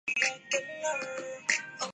جب چوہدری نثار کے گھر پر حملہ ہوا۔